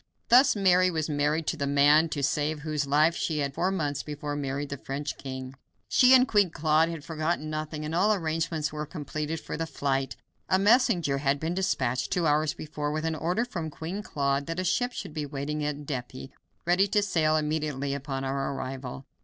Thus Mary was married to the man to save whose life she had four months before married the French king. She and Queen Claude had forgotten nothing, and all arrangements were completed for the flight. A messenger had been dispatched two hours before with an order from Queen Claude that a ship should be waiting at Dieppe, ready to sail immediately upon our arrival.